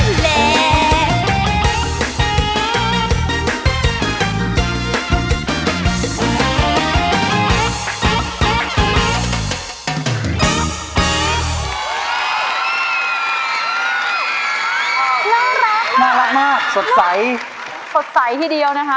น่ารักมากสดใสสดใสทีเดียวนะคะ